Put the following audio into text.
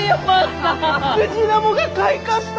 ムジナモが開花した！？